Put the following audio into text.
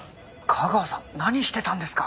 架川さん何してたんですか！？